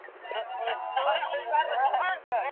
په اوس وخت کي خلګ په خبره نه پوهېږي .